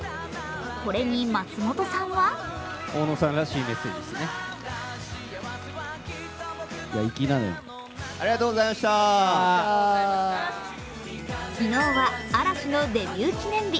これに松本さんは昨日は嵐のデビュー記念日。